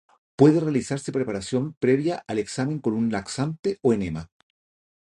Puede realizarse preparación previa al examen con un laxante o enema.